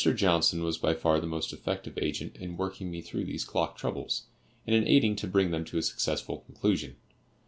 Johnson was by far my most effective agent in working me through these clock troubles, and in aiding to bring them to a successful conclusion.